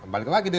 balik lagi di